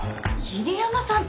桐山さん